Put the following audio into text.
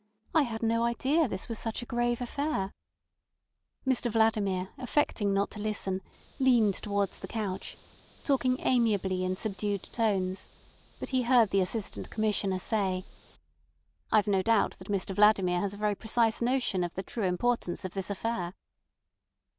I had no idea this was such a grave affair." Mr Vladimir, affecting not to listen, leaned towards the couch, talking amiably in subdued tones, but he heard the Assistant Commissioner say: "I've no doubt that Mr Vladimir has a very precise notion of the true importance of this affair."